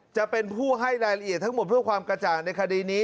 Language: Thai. จะเป็นผู้ให้รายละเอียดทั้งหมดเพื่อความกระจ่างในคดีนี้